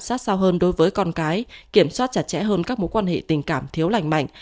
sát sao hơn đối với con cái kiểm soát chặt chẽ hơn các mối quan hệ tình cảm thiếu lành mạnh